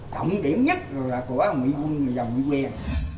tổng điểm nhất là của ông nguyễn văn nguyên